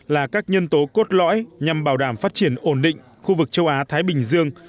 là các nhân tố cốt lõi nhằm bảo đảm phát triển ổn định khu vực châu á thái bình dương